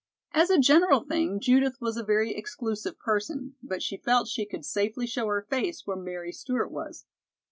As a general thing, Judith was a very exclusive person, but she felt she could safely show her face where Mary Stewart was.